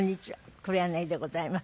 黒柳でございます。